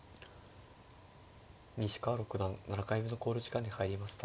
西川六段７回目の考慮時間に入りました。